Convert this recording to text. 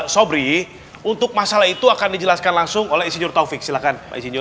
sobri untuk masalah itu akan dijelaskan langsung oleh istri taufik silahkan